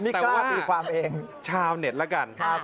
แต่ว่าชาวเน็ตล่ะกัน